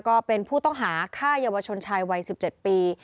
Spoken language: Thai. ก็เป็นผู้ต้องหาฆ่าเยาวชนชายวัย๑๗ปี